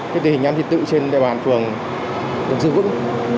cái tình hình ăn thịt tự trên địa bàn phường được giữ vững